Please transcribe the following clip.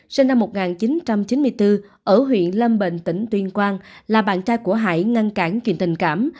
sinh năm một nghìn chín trăm chín mươi bốn ở huyện lâm bình tỉnh tuyên quang là bạn trai của hải ngăn cản chuyện tình cảm